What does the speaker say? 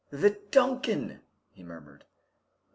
"The 'Duncan'!" he murmured.